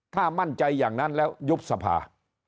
ถ้ามั่นใจอย่างนั้นแล้วยุบสภา